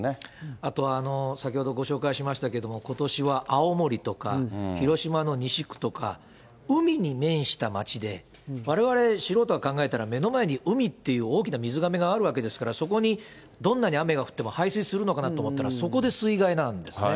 あと、先ほどご紹介しましたけれども、ことしは青森とか、広島の西区とか、海に面した町で、われわれ素人が考えたら、目の前に海っていう大きな水がめがあるわけですから、そこにどんなに雨が降っても、排水するのかなと思ったら、そこで水害なんですね。